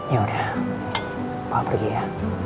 yaudah papa pergi ya